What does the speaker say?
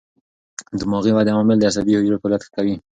دماغي ودې عوامل د عصبي حجرو فعالیت ښه کوي.